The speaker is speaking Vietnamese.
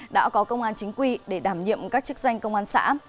đã có công an chính quy để đảm nhiệm các chức danh công an xã